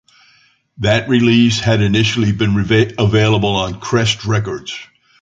That release had initially been available on Crest Records.